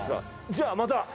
じゃあまた。